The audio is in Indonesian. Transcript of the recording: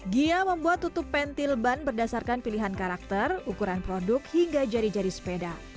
gia membuat tutup pentil ban berdasarkan pilihan karakter ukuran produk hingga jari jari sepeda